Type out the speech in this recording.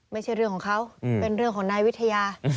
ไม่ใช่เรื่องของเขาเป็นเรื่องของนายวิทยา